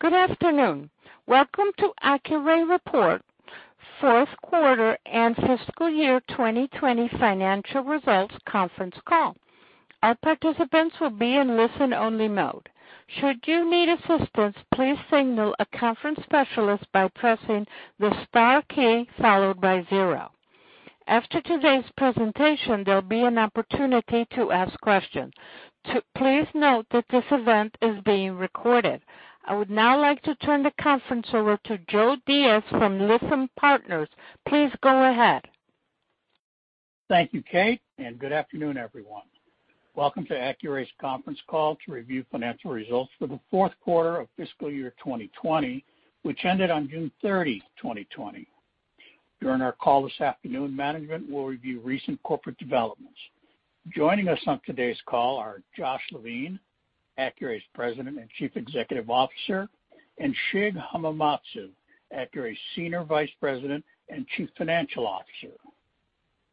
Good afternoon. Welcome to Accuray Report, fourth quarter and fiscal year 2020 financial results conference call. All participants will be in listen-only mode. Should you need assistance, please signal a conference specialist by pressing the star key followed by zero. After today's presentation, there will be an opportunity to ask questions. Please note that this event is being recorded. I would now like to turn the conference over to Joe Diaz from Lytham Partners. Please go ahead. Thank you, Kate, and good afternoon, everyone. Welcome to Accuray's conference call to review financial results for the fourth quarter of fiscal year 2020, which ended on June 30, 2020. During our call this afternoon, management will review recent corporate developments. Joining us on today's call are Josh Levine, Accuray's President and Chief Executive Officer, and Shig Hamamatsu, Accuray's Senior Vice President and Chief Financial Officer.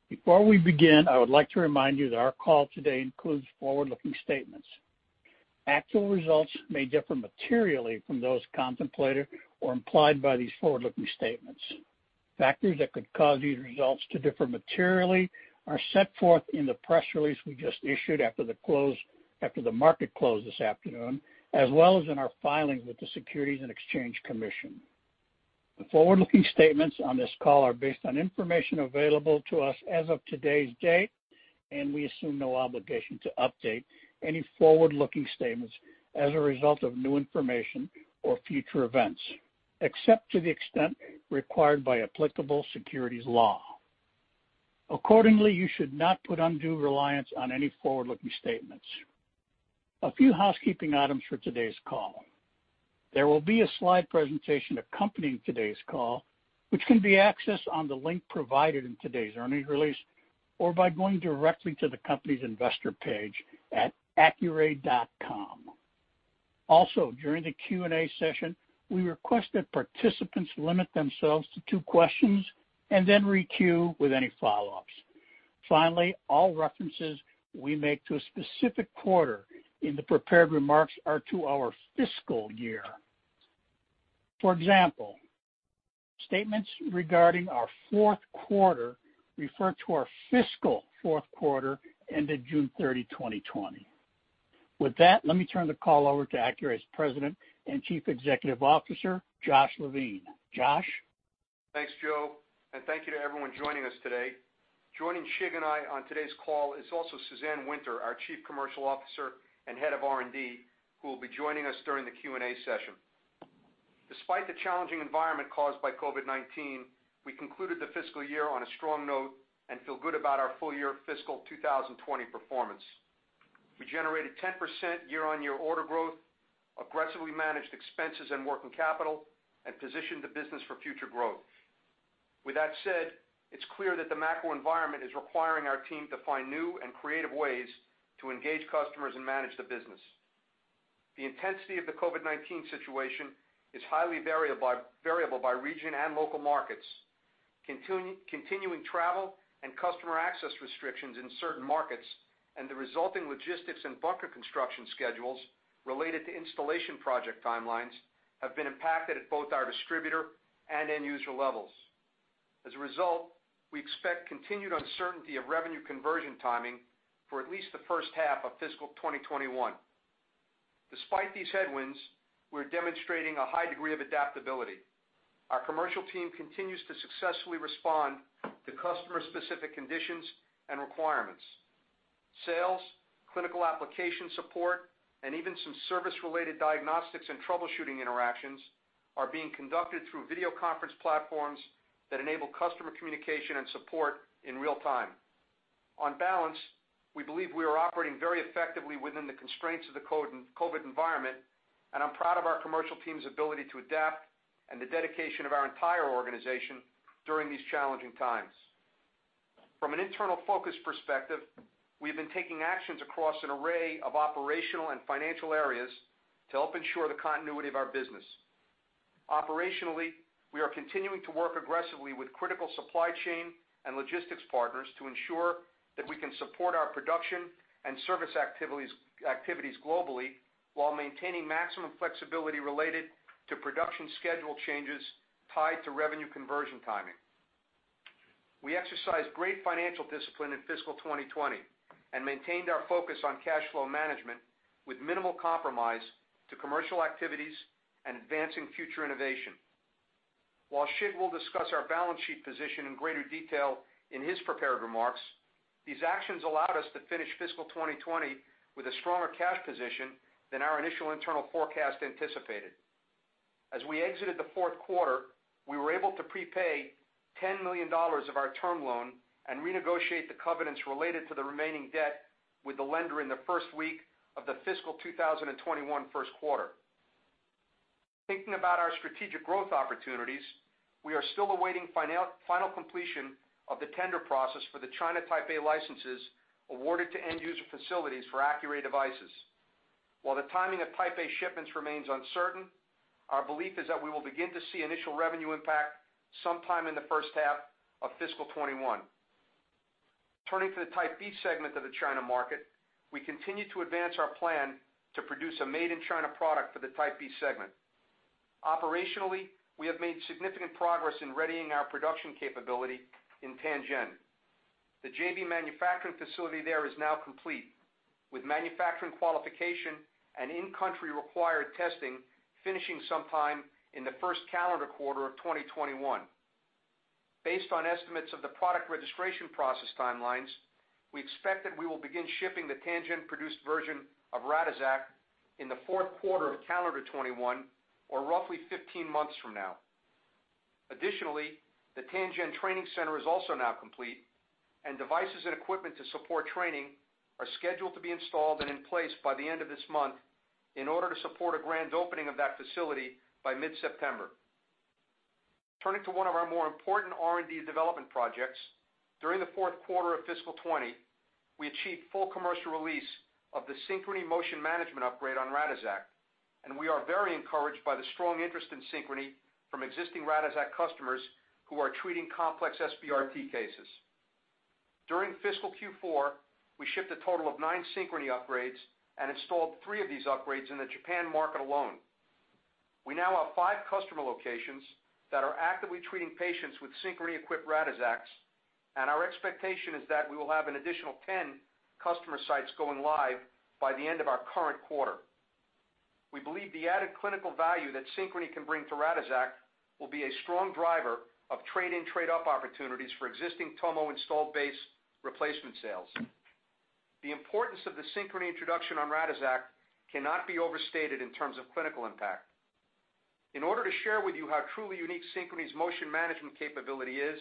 Before we begin, I would like to remind you that our call today includes forward-looking statements. Actual results may differ materially from those contemplated or implied by these forward-looking statements. Factors that could cause these results to differ materially are set forth in the press release we just issued after the market close this afternoon, as well as in our filings with the Securities and Exchange Commission. The forward-looking statements on this call are based on information available to us as of today's date, and we assume no obligation to update any forward-looking statements as a result of new information or future events, except to the extent required by applicable securities law. Accordingly, you should not put undue reliance on any forward-looking statements. A few housekeeping items for today's call. There will be a slide presentation accompanying today's call, which can be accessed on the link provided in today's earnings release or by going directly to the company's investor page at accuray.com. Also, during the Q&A session, we request that participants limit themselves to two questions and then re-queue with any follow-ups. Finally, all references we make to a specific quarter in the prepared remarks are to our fiscal year. For example, statements regarding our fourth quarter refer to our fiscal fourth quarter ended June 30, 2020. With that, let me turn the call over to Accuray's President and Chief Executive Officer, Josh Levine. Josh? Thanks, Joe, and thank you to everyone joining us today. Joining Shig and I on today's call is also Suzanne Winter, our Chief Commercial Officer and Head of R&D, who will be joining us during the Q&A session. Despite the challenging environment caused by COVID-19, we concluded the fiscal year on a strong note and feel good about our full-year fiscal 2020 performance. We generated 10% year-on-year order growth, aggressively managed expenses and working capital, and positioned the business for future growth. With that said, it's clear that the macro environment is requiring our team to find new and creative ways to engage customers and manage the business. The intensity of the COVID-19 situation is highly variable by region and local markets. Continuing travel and customer access restrictions in certain markets and the resulting logistics and bunker construction schedules related to installation project timelines have been impacted at both our distributor and end-user levels. We expect continued uncertainty of revenue conversion timing for at least the first half of fiscal 2021. Despite these headwinds, we're demonstrating a high degree of adaptability. Our commercial team continues to successfully respond to customer-specific conditions and requirements. Sales, clinical application support, and even some service-related diagnostics and troubleshooting interactions are being conducted through video conference platforms that enable customer communication and support in real time. On balance, we believe we are operating very effectively within the constraints of the COVID environment, and I'm proud of our commercial team's ability to adapt and the dedication of our entire organization during these challenging times. From an internal focus perspective, we have been taking actions across an array of operational and financial areas to help ensure the continuity of our business. Operationally, we are continuing to work aggressively with critical supply chain and logistics partners to ensure that we can support our production and service activities globally while maintaining maximum flexibility related to production schedule changes tied to revenue conversion timing. We exercised great financial discipline in fiscal 2020 and maintained our focus on cash flow management with minimal compromise to commercial activities and advancing future innovation. While Shig will discuss our balance sheet position in greater detail in his prepared remarks, these actions allowed us to finish fiscal 2020 with a stronger cash position than our initial internal forecast anticipated. As we exited the fourth quarter, we were able to prepay $10 million of our term loan and renegotiate the covenants related to the remaining debt with the lender in the first week of the fiscal 2021 first quarter. Thinking about our strategic growth opportunities, we are still awaiting final completion of the tender process for the China Type A licenses awarded to end-user facilities for Accuray devices. While the timing of Taipei shipments remains uncertain, our belief is that we will begin to see initial revenue impact sometime in the first half of fiscal 2021. Turning to the Type B segment of the China market, we continue to advance our plan to produce a made in China product for the Type B segment. Operationally, we have made significant progress in readying our production capability in Tianjin. The JV manufacturing facility there is now complete, with manufacturing qualification and in-country required testing finishing sometime in the first calendar quarter of 2021. Based on estimates of the product registration process timelines, we expect that we will begin shipping the Tianjin-produced version of Radixact in the fourth quarter of calendar 2021 or roughly 15 months from now. Additionally, the Tianjin training center is also now complete, and devices and equipment to support training are scheduled to be installed and in place by the end of this month in order to support a grand opening of that facility by mid-September. Turning to one of our more important R&D development projects, during the fourth quarter of fiscal 2020, we achieved full commercial release of the Synchrony motion management upgrade on Radixact, and we are very encouraged by the strong interest in Synchrony from existing Radixact customers who are treating complex SBRT cases. During fiscal Q4, we shipped a total of nine Synchrony upgrades and installed three of these upgrades in the Japan market alone. We now have five customer locations that are actively treating patients with Synchrony-equipped Radixact, and our expectation is that we will have an additional 10 customer sites going live by the end of our current quarter. We believe the added clinical value that Synchrony can bring to Radixact will be a strong driver of trade-in trade-up opportunities for existing TomoTherapy installed base replacement sales. The importance of the Synchrony introduction on Radixact cannot be overstated in terms of clinical impact. In order to share with you how truly unique Synchrony's motion management capability is,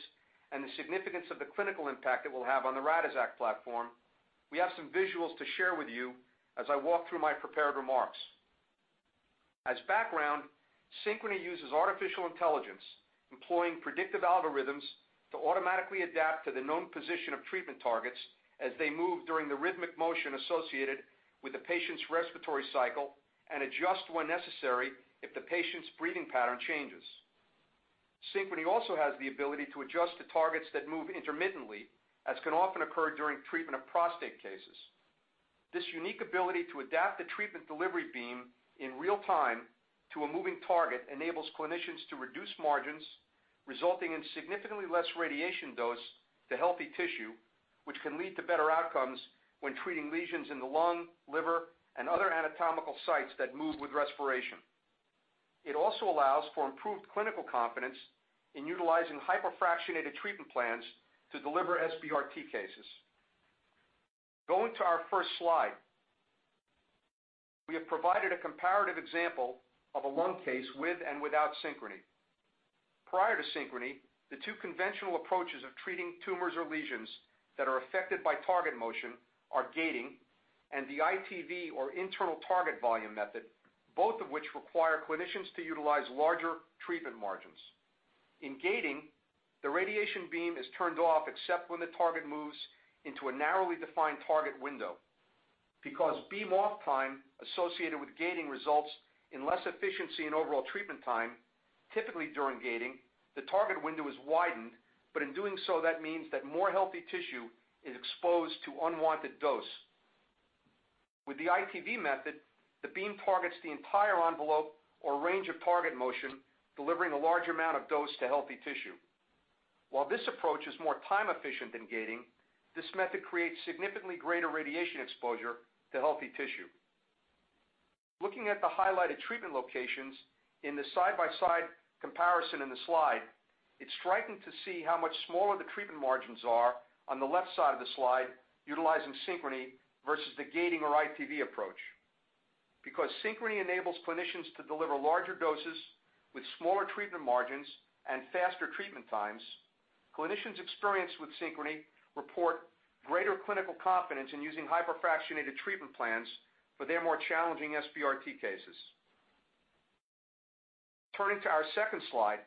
and the significance of the clinical impact it will have on the Radixact platform, we have some visuals to share with you as I walk through my prepared remarks. As background, Synchrony uses artificial intelligence, employing predictive algorithms to automatically adapt to the known position of treatment targets as they move during the rhythmic motion associated with the patient's respiratory cycle and adjust when necessary if the patient's breathing pattern changes. Synchrony also has the ability to adjust to targets that move intermittently, as can often occur during treatment of prostate cases. This unique ability to adapt the treatment delivery beam in real time to a moving target enables clinicians to reduce margins, resulting in significantly less radiation dose to healthy tissue, which can lead to better outcomes when treating lesions in the lung, liver, and other anatomical sites that move with respiration. It also allows for improved clinical confidence in utilizing hypofractionated treatment plans to deliver SBRT cases. Going to our first slide. We have provided a comparative example of a lung case with and without Synchrony. Prior to Synchrony, the two conventional approaches of treating tumors or lesions that are affected by target motion are gating and the ITV or Internal Target Volume method, both of which require clinicians to utilize larger treatment margins. In gating, the radiation beam is turned off except when the target moves into a narrowly defined target window. Because beam off time associated with gating results in less efficiency and overall treatment time, typically during gating, the target window is widened, but in doing so, that means that more healthy tissue is exposed to unwanted dose. With the ITV method, the beam targets the entire envelope or range of target motion, delivering a large amount of dose to healthy tissue. While this approach is more time efficient than gating, this method creates significantly greater radiation exposure to healthy tissue. Looking at the highlighted treatment locations in the side-by-side comparison in the slide, it's striking to see how much smaller the treatment margins are on the left side of the slide utilizing Synchrony versus the gating or ITV approach. Because Synchrony enables clinicians to deliver larger doses with smaller treatment margins and faster treatment times, clinicians experienced with Synchrony report greater clinical confidence in using hyperfractionated treatment plans for their more challenging SBRT cases. Turning to our second slide,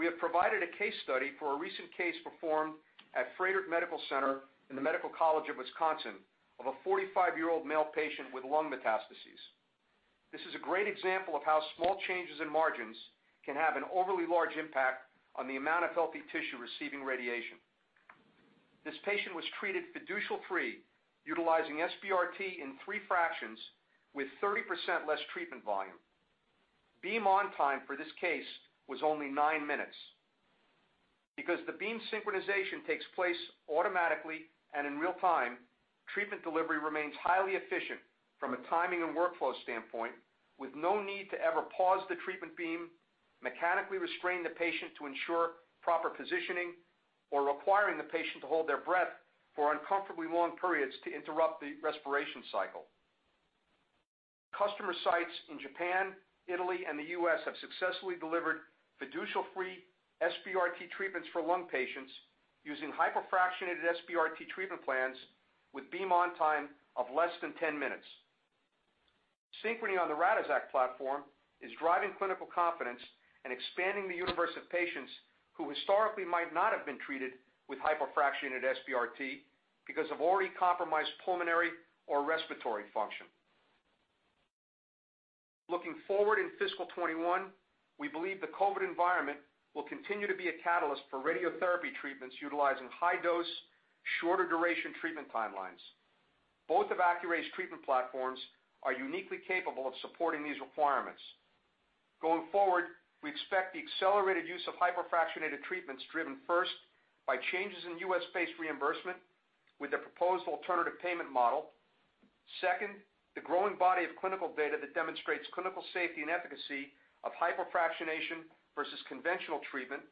we have provided a case study for a recent case performed at Froedtert Medical Center in the Medical College of Wisconsin of a 45-year-old male patient with lung metastases. This is a great example of how small changes in margins can have an overly large impact on the amount of healthy tissue receiving radiation. This patient was treated fiducial-free, utilizing SBRT in three fractions with 30% less treatment volume. Beam on time for this case was only nine minutes. Because the beam synchronization takes place automatically and in real time, treatment delivery remains highly efficient from a timing and workflow standpoint, with no need to ever pause the treatment beam, mechanically restrain the patient to ensure proper positioning, or requiring the patient to hold their breath for uncomfortably long periods to interrupt the respiration cycle. Customer sites in Japan, Italy, and the U.S. have successfully delivered fiducial-free SBRT treatments for lung patients using hyperfractionated SBRT treatment plans with beam on time of less than 10 minutes. Synchrony on the Radixact platform is driving clinical confidence and expanding the universe of patients who historically might not have been treated with hyperfractionated SBRT because of already compromised pulmonary or respiratory function. Looking forward in fiscal 2021, we believe the COVID environment will continue to be a catalyst for radiotherapy treatments utilizing high dose, shorter duration treatment timelines. Both of Accuray's treatment platforms are uniquely capable of supporting these requirements. Going forward, we expect the accelerated use of hyperfractionated treatments driven first, by changes in U.S.-based reimbursement with the proposed alternative payment model. Second, the growing body of clinical data that demonstrates clinical safety and efficacy of hypofractionation versus conventional treatment,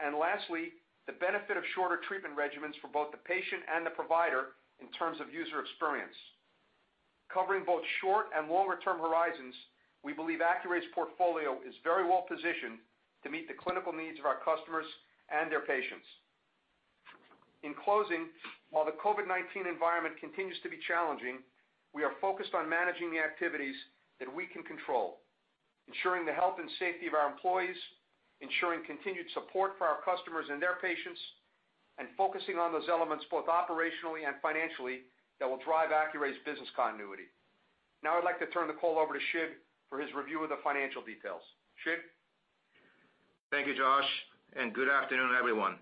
and lastly, the benefit of shorter treatment regimens for both the patient and the provider in terms of user experience. Covering both short and longer term horizons, we believe Accuray's portfolio is very well positioned to meet the clinical needs of our customers and their patients. In closing, while the COVID-19 environment continues to be challenging, we are focused on managing the activities that we can control. Ensuring the health and safety of our employees, ensuring continued support for our customers and their patients, and focusing on those elements both operationally and financially, that will drive Accuray's business continuity. Now I'd like to turn the call over to Shig for his review of the financial details. Shig? Thank you, Josh, good afternoon, everyone.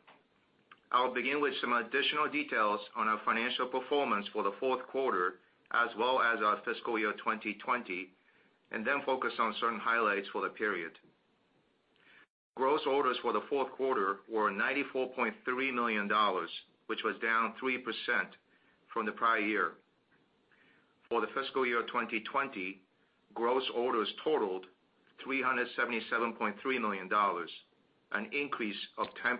I'll begin with some additional details on our financial performance for the fourth quarter as well as our fiscal year 2020, and then focus on certain highlights for the period. Gross orders for the fourth quarter were $94.3 million, which was down 3% from the prior year. For the fiscal year 2020, gross orders totaled $377.3 million, an increase of 10%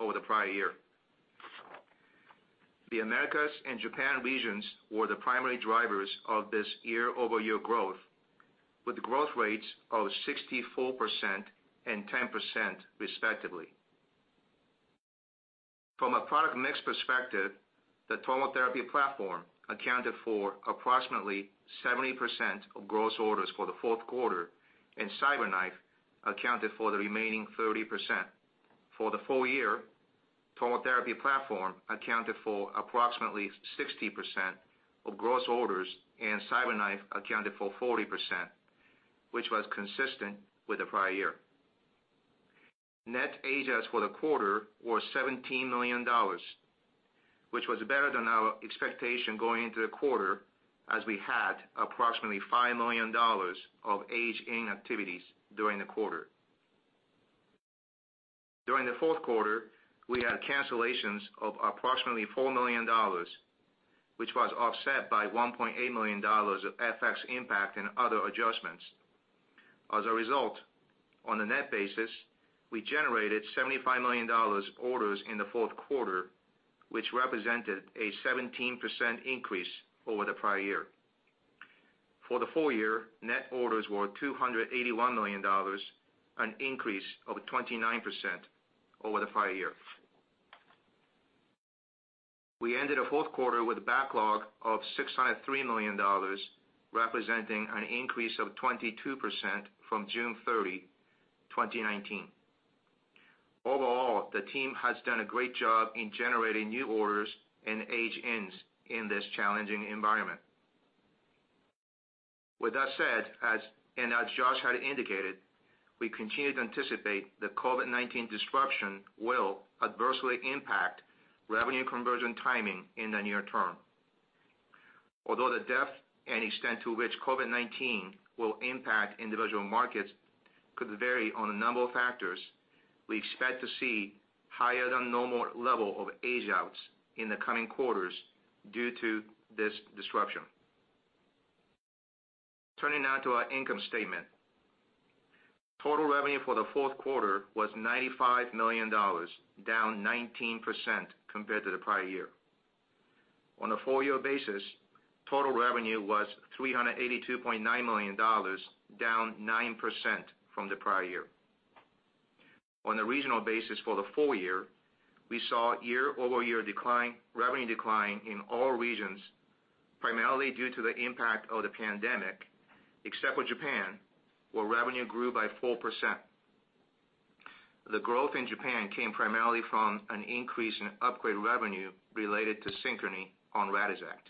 over the prior year. The Americas and Japan regions were the primary drivers of this year-over-year growth, with growth rates of 64% and 10% respectively. From a product mix perspective, the TomoTherapy platform accounted for approximately 70% of gross orders for the fourth quarter, and CyberKnife accounted for the remaining 30%. For the full year, TomoTherapy platform accounted for approximately 60% of gross orders, and CyberKnife accounted for 40%, which was consistent with the prior year. Net age-outs for the quarter was $17 million, which was better than our expectation going into the quarter as we had approximately $5 million of age-in activities during the quarter. During the fourth quarter, we had cancellations of approximately $4 million, which was offset by $1.8 million of FX impact and other adjustments. On a net basis, we generated $75 million orders in the fourth quarter, which represented a 17% increase over the prior year. For the full year, net orders were $281 million, an increase of 29% over the prior year. We ended the fourth quarter with a backlog of $603 million, representing an increase of 22% from June 30, 2019. Overall, the team has done a great job in generating new orders and age-ins in this challenging environment. With that said, as Josh had indicated, we continue to anticipate that COVID-19 disruption will adversely impact revenue conversion timing in the near term. Although the depth and extent to which COVID-19 will impact individual markets could vary on a number of factors, we expect to see higher than normal level of age-outs in the coming quarters due to this disruption. Turning now to our income statement. Total revenue for the fourth quarter was $95 million, down 19% compared to the prior year. On a full-year basis, total revenue was $382.9 million, down 9% from the prior year. On a regional basis for the full year, we saw year-over-year revenue decline in all regions, primarily due to the impact of the pandemic, except for Japan, where revenue grew by 4%. The growth in Japan came primarily from an increase in upgrade revenue related to Synchrony on Radixact.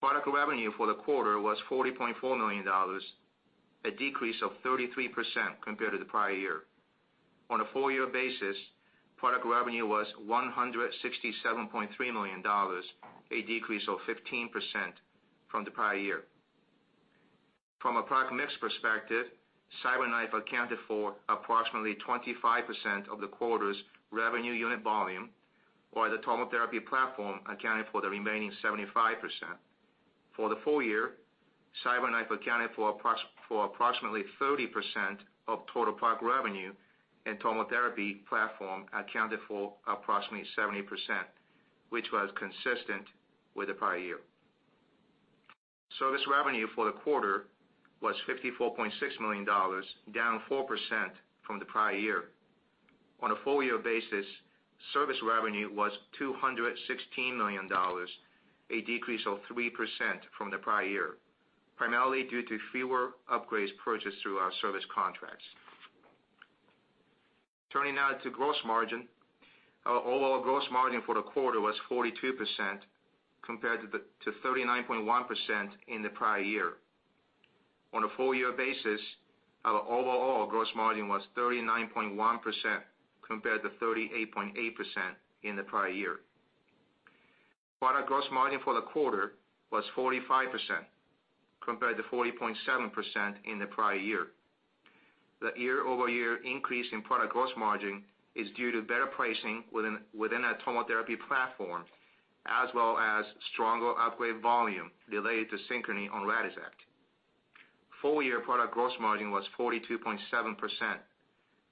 Product revenue for the quarter was $40.4 million, a decrease of 33% compared to the prior year. On a four-year basis, product revenue was $167.3 million, a decrease of 15% from the prior year. From a product mix perspective, CyberKnife accounted for approximately 25% of the quarter's revenue unit volume, while the TomoTherapy platform accounted for the remaining 75%. For the full year, CyberKnife accounted for approximately 30% of total product revenue, and TomoTherapy platform accounted for approximately 70%, which was consistent with the prior year. Service revenue for the quarter was $54.6 million, down 4% from the prior year. On a full-year basis, service revenue was $216 million, a decrease of 3% from the prior year, primarily due to fewer upgrades purchased through our service contracts. Turning now to gross margin. Our overall gross margin for the quarter was 42% compared to 39.1% in the prior year. On a full-year basis, our overall gross margin was 39.1% compared to 38.8% in the prior year. Product gross margin for the quarter was 45% compared to 40.7% in the prior year. The year-over-year increase in product gross margin is due to better pricing within our TomoTherapy platform, as well as stronger upgrade volume related to Synchrony on Radixact. Full-year product gross margin was 42.7%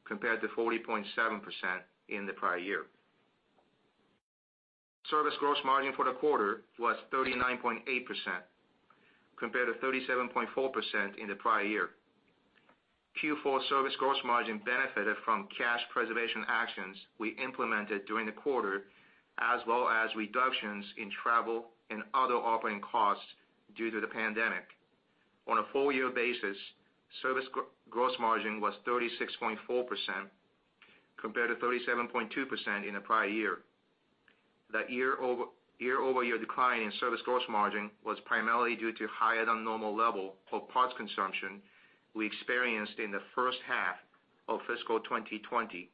compared to 40.7% in the prior year. Service gross margin for the quarter was 39.8% compared to 37.4% in the prior year. Q4 service gross margin benefited from cash preservation actions we implemented during the quarter, as well as reductions in travel and other operating costs due to the pandemic. On a full-year basis, service gross margin was 36.4% compared to 37.2% in the prior year. The year-over-year decline in service gross margin was primarily due to higher-than-normal level of parts consumption we experienced in the first half of fiscal 2020,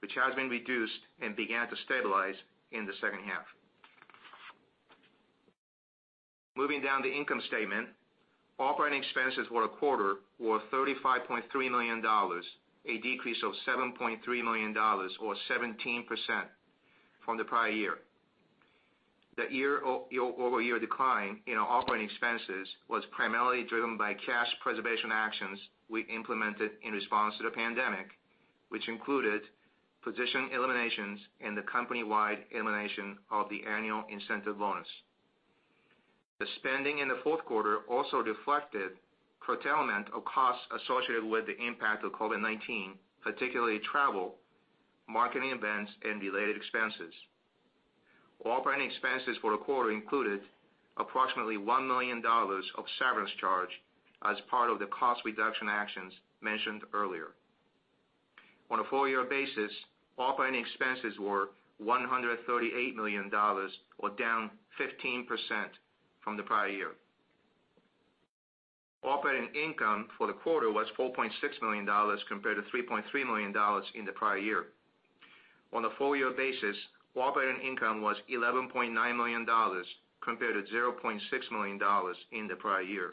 which has been reduced and began to stabilize in the second half. Moving down to income statement. Operating expenses for the quarter were $35.3 million, a decrease of $7.3 million or 17% from the prior year. The year-over-year decline in operating expenses was primarily driven by cash preservation actions we implemented in response to the pandemic, which included position eliminations and the company-wide elimination of the annual incentive bonus. The spending in the fourth quarter also reflected curtailment of costs associated with the impact of COVID-19, particularly travel, marketing events, and related expenses. Operating expenses for the quarter included approximately $1 million of severance charge as part of the cost-reduction actions mentioned earlier. On a full-year basis, operating expenses were $138 million, or down 15% from the prior year. Operating income for the quarter was $4.6 million compared to $3.3 million in the prior year. On a full-year basis, operating income was $11.9 million compared to $0.6 million in the prior year.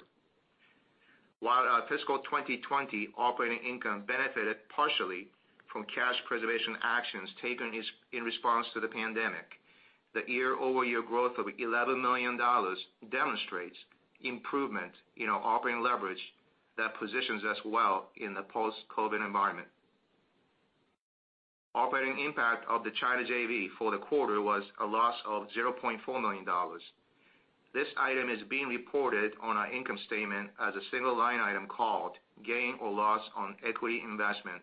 While our fiscal 2020 operating income benefited partially from cash preservation actions taken in response to the pandemic, the year-over-year growth of $11 million demonstrates improvement in our operating leverage that positions us well in the post-COVID environment. Operating impact of the China JV for the quarter was a loss of $0.4 million. This item is being reported on our income statement as a single-line item called gain or loss on equity investment,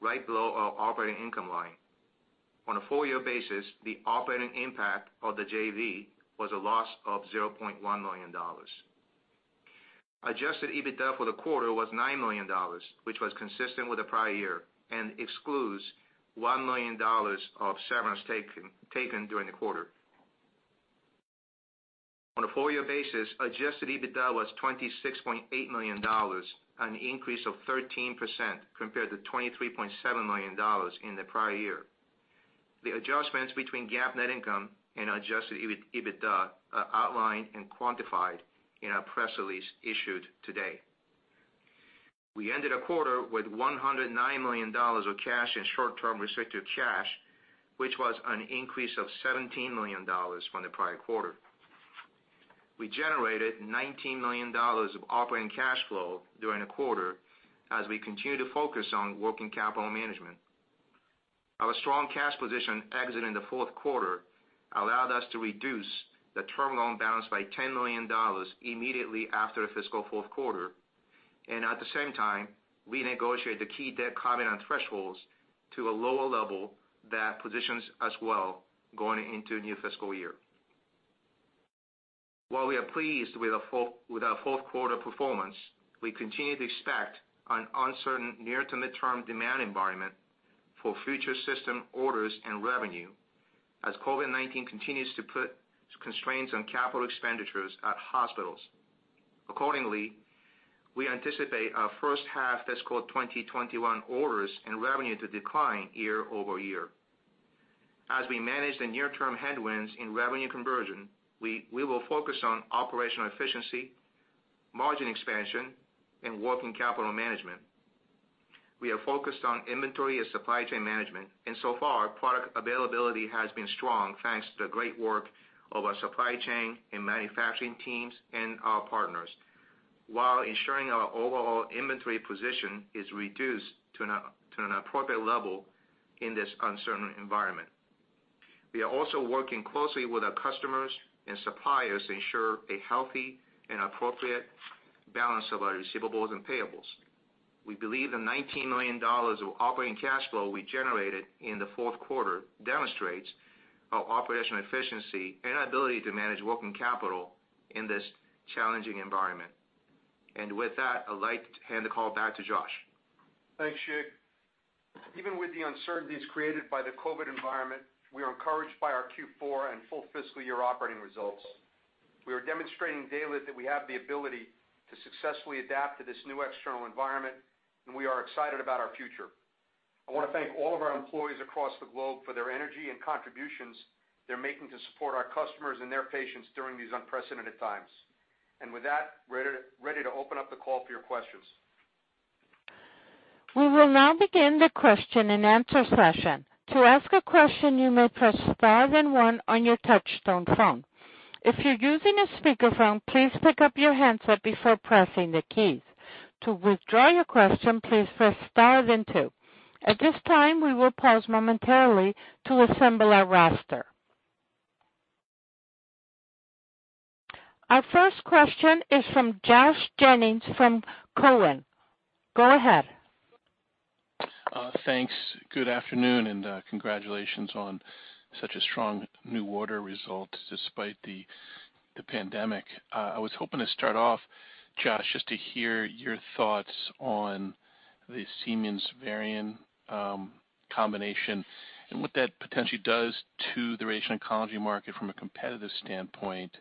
right below our operating income line. On a full-year basis, the operating impact of the JV was a loss of $0.1 million. Adjusted EBITDA for the quarter was $9 million, which was consistent with the prior year and excludes $1 million of severance taken during the quarter. On a full-year basis, adjusted EBITDA was $26.8 million, an increase of 13% compared to $23.7 million in the prior year. The adjustments between GAAP net income and adjusted EBITDA are outlined and quantified in our press release issued today. We ended the quarter with $109 million of cash and short-term restricted cash, which was an increase of $17 million from the prior quarter. We generated $19 million of operating cash flow during the quarter as we continue to focus on working capital management. Our strong cash position exiting the fourth quarter allowed us to reduce the term loan balance by $10 million immediately after the fiscal fourth quarter. At the same time, we negotiated the key debt covenant thresholds to a lower level that positions us well going into the new fiscal year. While we are pleased with our fourth quarter performance, we continue to expect an uncertain near to midterm demand environment for future system orders and revenue as COVID-19 continues to put constraints on capital expenditures at hospitals. Accordingly, we anticipate our first half fiscal 2021 orders and revenue to decline year-over-year. As we manage the near-term headwinds in revenue conversion, we will focus on operational efficiency, margin expansion, and working capital management. So far, product availability has been strong thanks to the great work of our supply chain and manufacturing teams and our partners, while ensuring our overall inventory position is reduced to an appropriate level in this uncertain environment. We are also working closely with our customers and suppliers to ensure a healthy and appropriate balance of our receivables and payables. We believe the $19 million of operating cash flow we generated in the fourth quarter demonstrates our operational efficiency and ability to manage working capital in this challenging environment. With that, I'd like to hand the call back to Josh. Thanks, Shig. Even with the uncertainties created by the COVID environment, we are encouraged by our Q4 and full fiscal year operating results. We are demonstrating daily that we have the ability to successfully adapt to this new external environment, and we are excited about our future. I want to thank all of our employees across the globe for their energy and contributions they're making to support our customers and their patients during these unprecedented times. With that, we're ready to open up the call for your questions. We will now begin the Q&A session. To ask a question, you may press star then one on your touchtone phone. If you're using a speakerphone, please pick up your handset before pressing the key. To withdraw your question, please press star then two. At this time, we will pause momentarily to assemble our roster. Our first question is from Josh Jennings from Cowen. Go ahead. Thanks. Good afternoon, congratulations on such a strong new order result despite the pandemic. I was hoping to start off, Josh, just to hear your thoughts on the Siemens Varian combination and what that potentially does to the radiation oncology market from a competitive standpoint.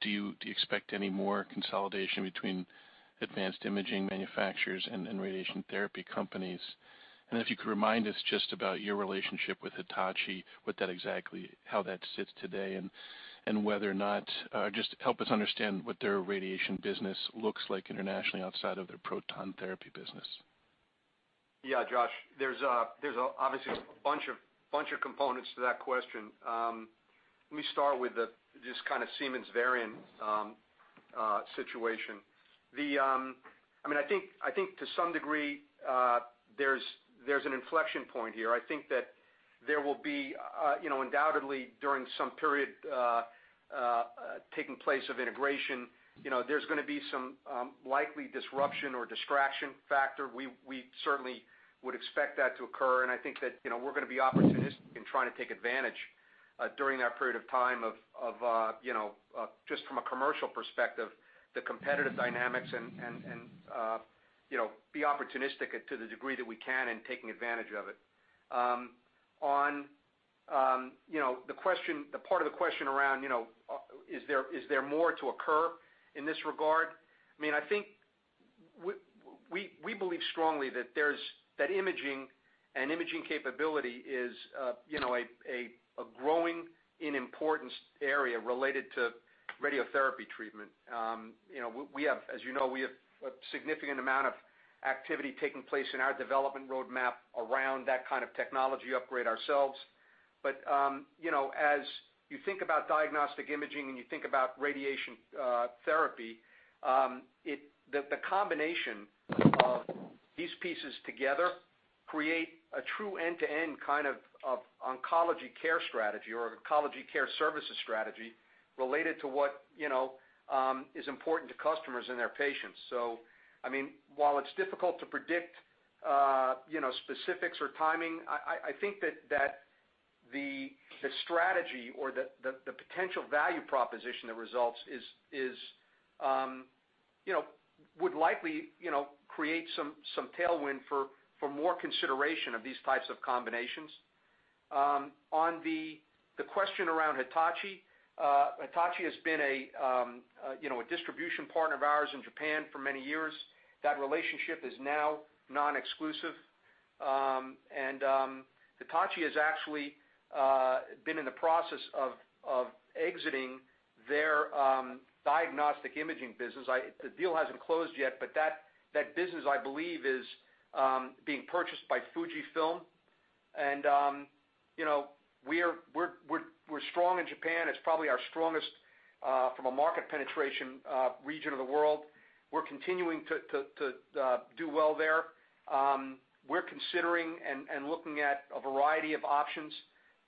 Do you expect any more consolidation between advanced imaging manufacturers and radiation therapy companies? If you could remind us just about your relationship with Hitachi, how that sits today, and just help us understand what their radiation business looks like internationally outside of their proton therapy business. Yeah, Josh. There's obviously a bunch of components to that question. Let me start with this kind of Siemens Varian situation. I think to some degree, there's an inflection point here. I think that there will be undoubtedly during some period taking place of integration, there's going to be some likely disruption or distraction factor. We certainly would expect that to occur, and I think that we're going to be opportunistic in trying to take advantage during that period of time of just from a commercial perspective, the competitive dynamics, and be opportunistic to the degree that we can in taking advantage of it. On the part of the question around, is there more to occur in this regard? We believe strongly that imaging and imaging capability is a growing and important area related to radiotherapy treatment. As you know, we have a significant amount of activity taking place in our development roadmap around that kind of technology upgrade ourselves. As you think about diagnostic imaging and you think about radiation therapy, the combination of these pieces together create a true end-to-end kind of oncology care strategy or oncology care services strategy related to what is important to customers and their patients. While it's difficult to predict specifics or timing, I think that the strategy or the potential value proposition that results would likely create some tailwind for more consideration of these types of combinations. On the question around Hitachi. Hitachi has been a distribution partner of ours in Japan for many years. That relationship is now non-exclusive. Hitachi has actually been in the process of exiting their diagnostic imaging business. The deal hasn't closed yet, but that business, I believe, is being purchased by Fujifilm. We're strong in Japan. It's probably our strongest from a market penetration region of the world. We're continuing to do well there. We're considering and looking at a variety of options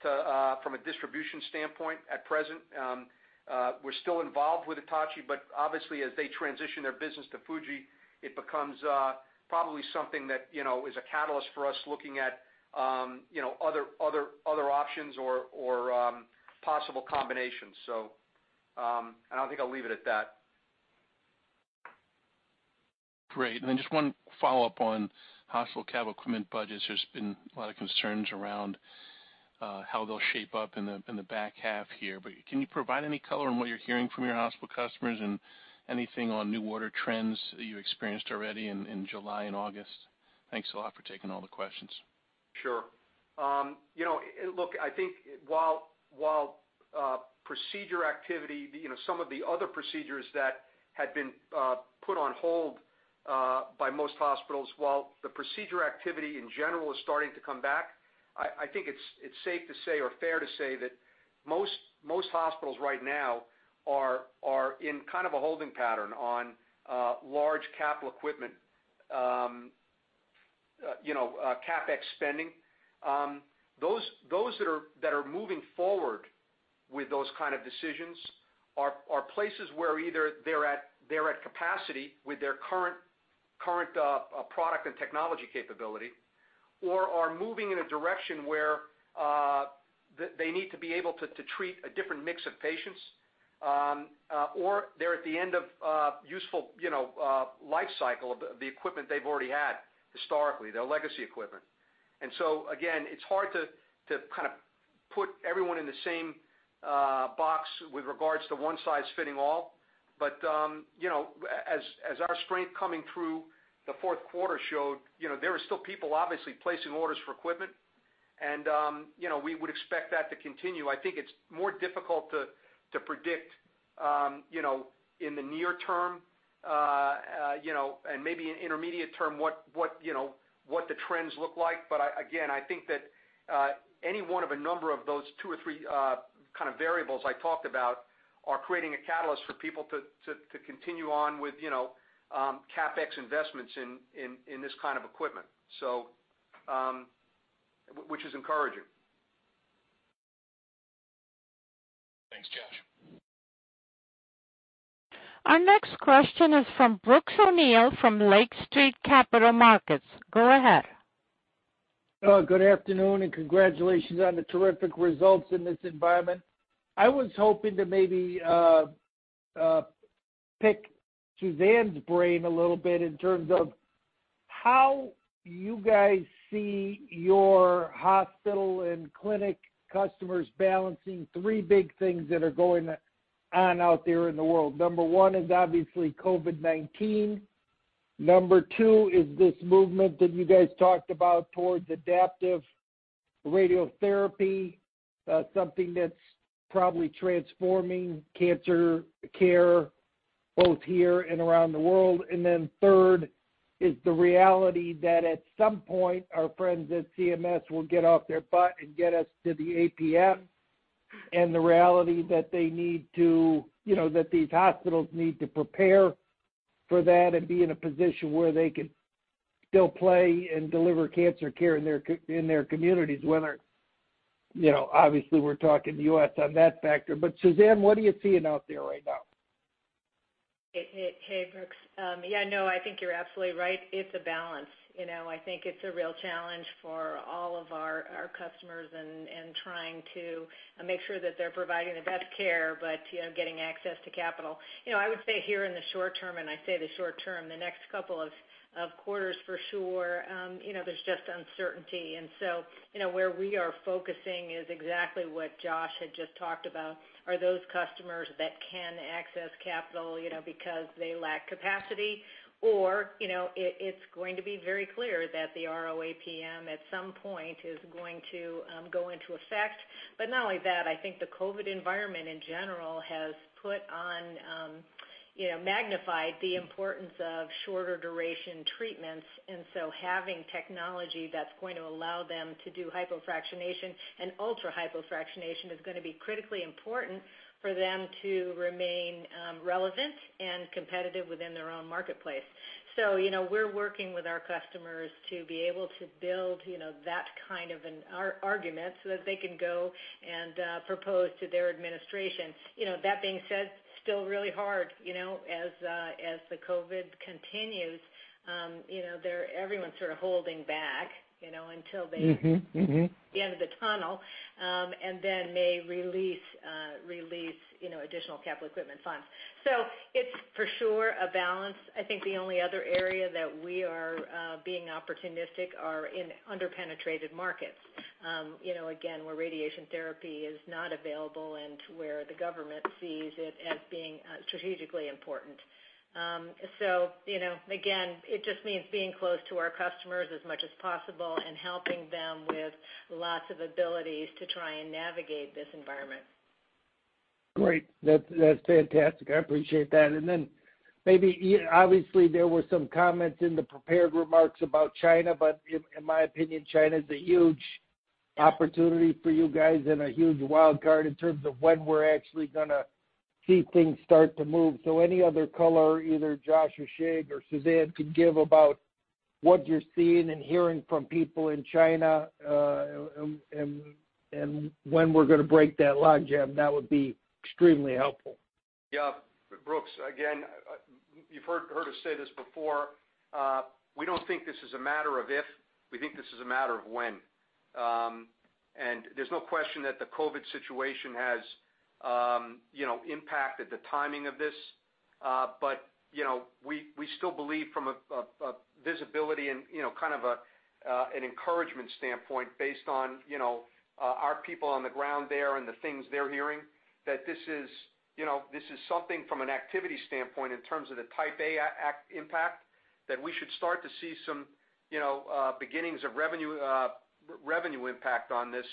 from a distribution standpoint at present. We're still involved with Hitachi, but obviously as they transition their business to Fuji, it becomes probably something that is a catalyst for us looking at other options or possible combinations. I think I'll leave it at that. Great. Just one follow-up on hospital capital equipment budgets. There's been a lot of concerns around how they'll shape up in the back half here. Can you provide any color on what you're hearing from your hospital customers and anything on new order trends you experienced already in July and August? Thanks a lot for taking all the questions. Sure. Look, I think while some of the other procedures that had been put on hold by most hospitals, while the procedure activity in general is starting to come back, I think it's safe to say or fair to say that most hospitals right now are in kind of a holding pattern on large capital equipment, CapEx spending. Those that are moving forward with those kind of decisions are places where either they're at capacity with their current product and technology capability, or are moving in a direction where they need to be able to treat a different mix of patients, or they're at the end of useful life cycle of the equipment they've already had historically, their legacy equipment. Again, it's hard to put everyone in the same box with regards to one size fitting all. As our strength coming through the fourth quarter showed, there are still people obviously placing orders for equipment, and we would expect that to continue. I think it's more difficult to predict in the near term, and maybe in intermediate term, what the trends look like. Again, I think that any one of a number of those two or three kind of variables I talked about are creating a catalyst for people to continue on with CapEx investments in this kind of equipment, which is encouraging. Thanks, Josh. Our next question is from Brooks O'Neil from Lake Street Capital Markets. Go ahead. Good afternoon, congratulations on the terrific results in this environment. I was hoping to maybe pick Suzanne's brain a little bit in terms of how you guys see your hospital and clinic customers balancing three big things that are going on out there in the world. Number one is obviously COVID-19. Number two is this movement that you guys talked about towards adaptive radiotherapy, something that's probably transforming cancer care both here and around the world. Third is the reality that at some point our friends at CMS will get off their butt and get us to the APM, and the reality that these hospitals need to prepare for that and be in a position where they could still play and deliver cancer care in their communities, whether Obviously, we're talking U.S. on that factor. Suzanne, what are you seeing out there right now? Hey, Brooks. Yeah, no, I think you're absolutely right. It's a balance. I think it's a real challenge for all of our customers and trying to make sure that they're providing the best care, but getting access to capital. I would say here in the short term, the next couple of quarters for sure, there's just uncertainty. Where we are focusing is exactly what Josh had just talked about, are those customers that can access capital because they lack capacity or it's going to be very clear that the RO-APM at some point is going to go into effect. Not only that, I think the COVID environment in general has magnified the importance of shorter duration treatments. Having technology that's going to allow them to do hypofractionation and ultra-hypofractionation is going to be critically important for them to remain relevant and competitive within their own marketplace. We're working with our customers to be able to build that kind of an argument so that they can go and propose to their administration. That being said, still really hard as the COVID-19 continues, everyone's sort of holding back. See the end of the tunnel, and then may release additional capital equipment funds. It's for sure a balance. I think the only other area that we are being opportunistic are in under-penetrated markets. Again, where radiation therapy is not available and where the government sees it as being strategically important. Again, it just means being close to our customers as much as possible and helping them with lots of abilities to try and navigate this environment. Great. That's fantastic. I appreciate that. Maybe, obviously there were some comments in the prepared remarks about China, but in my opinion, China's a huge opportunity for you guys and a huge wildcard in terms of when we're actually going to see things start to move. Any other color either Josh or Shig or Suzanne could give about what you're seeing and hearing from people in China, and when we're going to break that logjam, that would be extremely helpful. Yeah. Brooks, again, you've heard us say this before. We don't think this is a matter of if, we think this is a matter of when. There's no question that the COVID situation has impacted the timing of this. We still believe from a visibility and kind of an encouragement standpoint based on our people on the ground there and the things they're hearing, that this is something from an activity standpoint in terms of the Type A impact, that we should start to see some beginnings of revenue impact on this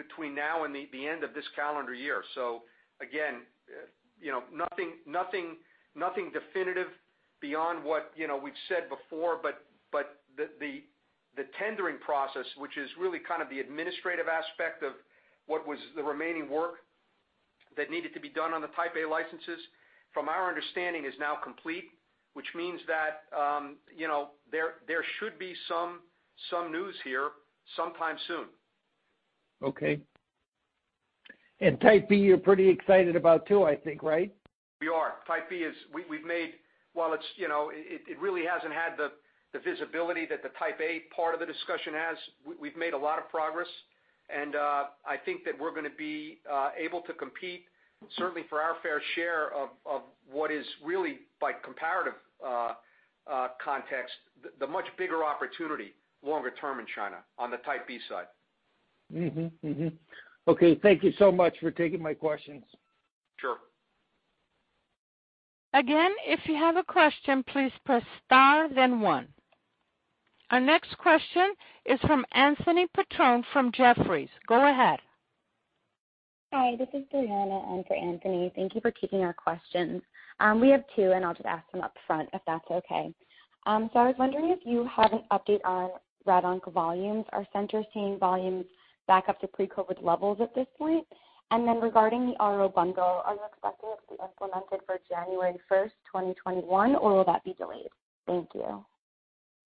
between now and the end of this calendar year. Again, nothing definitive beyond what we've said before, but the tendering process, which is really kind of the administrative aspect of what was the remaining work that needed to be done on the Type A licenses, from our understanding, is now complete, which means that there should be some news here sometime soon. Okay. Type B, you're pretty excited about too, I think, right? We are. Type B, it really hasn't had the visibility that the Type A part of the discussion has. We've made a lot of progress, and I think that we're going to be able to compete, certainly for our fair share of what is really, by comparative context, the much bigger opportunity longer term in China on the Type B side. Mm-hmm. Okay. Thank you so much for taking my questions. Sure. Again, if you have a question, please press star, then one. Our next question is from Anthony Petrone from Jefferies. Go ahead. Hi, this is Briana, and for Anthony. Thank you for taking our questions. We have two, and I'll just ask them upfront if that's okay. I was wondering if you have an update on RadOnc volumes. Are centers seeing volumes back up to pre-COVID levels at this point? Regarding the RO Model, are you expecting it to be implemented for January 1st, 2021, or will that be delayed? Thank you.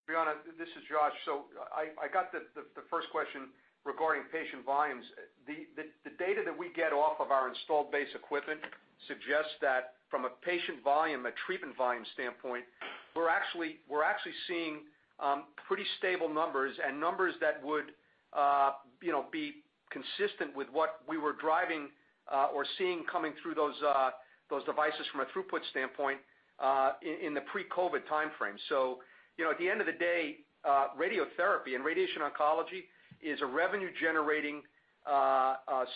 Briana, this is Josh. I got the first question regarding patient volumes. The data that we get off of our installed base equipment suggests that from a patient volume, a treatment volume standpoint, we're actually seeing pretty stable numbers and numbers that would be consistent with what we were driving or seeing coming through those devices from a throughput standpoint in the pre-COVID-19 timeframe. At the end of the day, radiotherapy and radiation oncology is a revenue-generating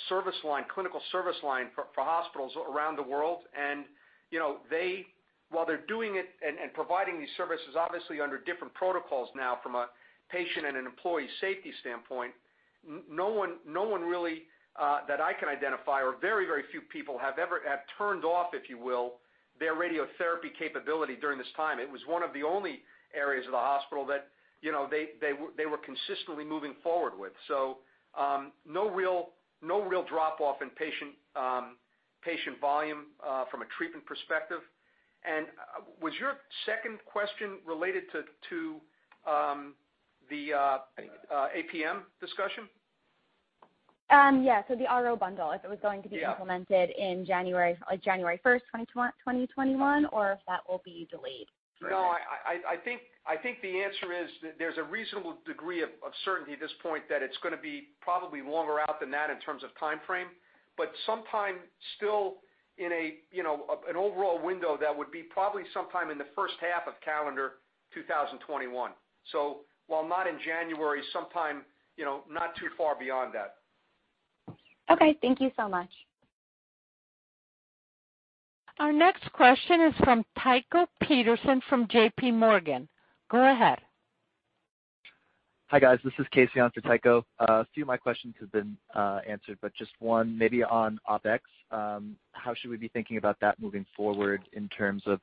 service line, clinical service line for hospitals around the world. While they're doing it and providing these services, obviously under different protocols now from a patient and an employee safety standpoint, no one really that I can identify or very, very few people have turned off, if you will, their radiotherapy capability during this time. It was one of the only areas of the hospital that they were consistently moving forward with. No real drop-off in patient volume from a treatment perspective. Was your second question related to the APM discussion? The RO Model, if it was going to be implemented on January 1st, 2021, or if that will be delayed. No, I think the answer is there's a reasonable degree of certainty at this point that it's going to be probably longer out than that in terms of timeframe, but sometime still in an overall window that would be probably sometime in the first half of calendar 2021. While not in January, sometime not too far beyond that. Okay. Thank you so much. Our next question is from Tycho Peterson from JPMorgan. Go ahead. Hi, guys. This is Casey. on for Tycho. A few of my questions have been answered, but just one maybe on OpEx. How should we be thinking about that moving forward in terms of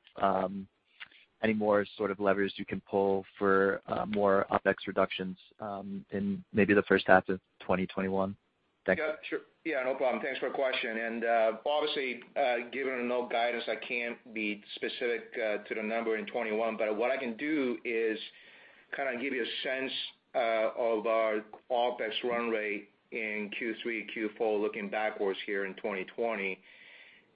any more sort of levers you can pull for more OpEx reductions in maybe the first half of 2021? Thanks. Yeah, sure. Yeah, no problem. Thanks for your question. Obviously, given no guidance, I can't be specific to the number in 2021. What I can do is kind of give you a sense of our OpEx run rate in Q3 and Q4, looking backwards here in 2020.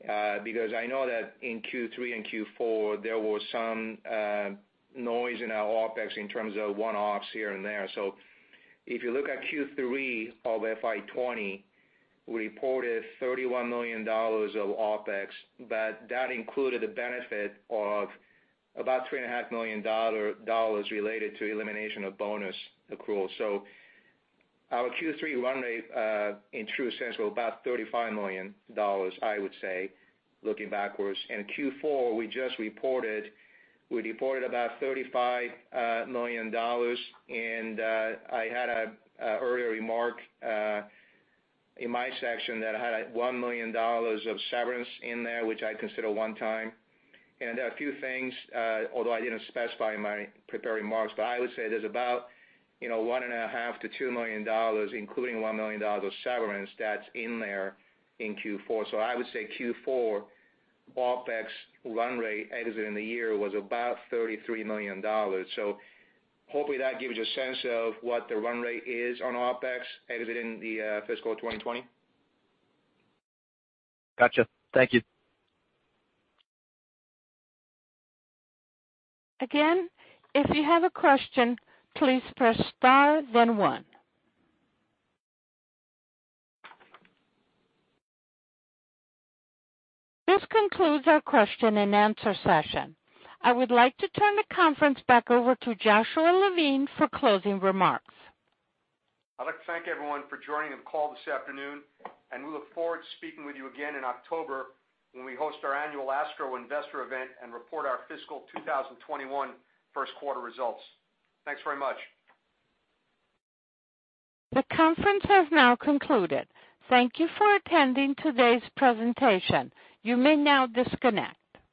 I know that in Q3 and Q4, there was some noise in our OpEx in terms of one-offs here and there. If you look at Q3 of FY 2020, we reported $31 million of OpEx, but that included a benefit of about $3.5 million related to elimination of bonus accrual. Our Q3 run rate, in true sense, were about $35 million, I would say, looking backwards. Q4, we just reported about $35 million, and I had an earlier remark in my section that I had $1 million of severance in there, which I consider one time. A few things, although I didn't specify in my prepared remarks, but I would say there's about $1.5 million-$2 million, including $1 million of severance, that's in there in Q4. I would say Q4 OpEx run rate exiting the year was about $33 million. Hopefully, that gives you a sense of what the run rate is on OpEx exiting the fiscal 2020. Got you. Thank you. Again, if you have a question, please press star, then one. This concludes our Q&A session. I would like to turn the conference back over to Joshua Levine for closing remarks. I'd like to thank everyone for joining the call this afternoon, and we look forward to speaking with you again in October when we host our annual ASTRO Investor event and report our fiscal 2021 first quarter results. Thanks very much. The conference has now concluded. Thank you for attending today's presentation. You may now disconnect.